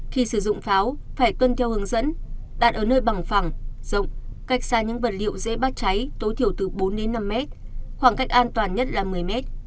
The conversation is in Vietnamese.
khi sử dụng pháo phải tuân theo hướng dẫn đạn ở nơi bằng phẳng rộng cách xa những vật liệu dễ bắt cháy tối thiểu từ bốn năm m khoảng cách an toàn nhất là một mươi m